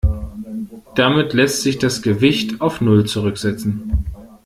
Damit lässt sich das Gewicht auf null zurücksetzen.